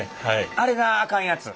あれがあかんやつ？